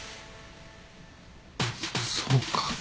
そうか。